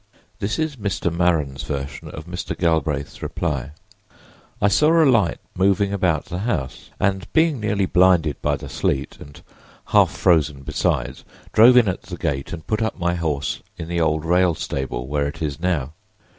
This is Mr. Maren's version of Mr. Galbraith's reply: "I saw a light moving about the house, and being nearly blinded by the sleet, and half frozen besides, drove in at the gate and put up my horse in the old rail stable, where it is now.